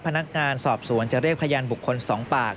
พนักงานสอบสวนจะเรียกพยานบุคคล๒ปาก